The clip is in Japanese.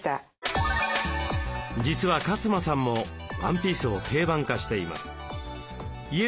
実は勝間さんもワンピースを定番化しています。